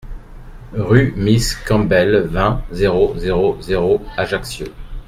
Rue Miss Campbell, vingt, zéro zéro zéro Ajaccio